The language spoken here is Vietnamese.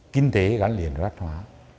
kinh tế gắn liền văn hóa